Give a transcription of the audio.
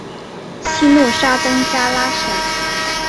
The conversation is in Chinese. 西努沙登加拉省。